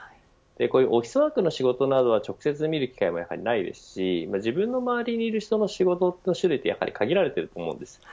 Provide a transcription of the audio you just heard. オフィスワークの仕事などは直接見る機会もないですし自分の周りにいる人の仕事の種類って限られていると思います。